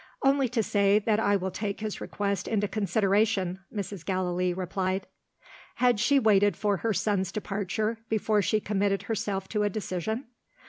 "Only to say that I will take his request into consideration," Mrs. Gallilee replied. Had she waited for her son's departure, before she committed herself to a decision?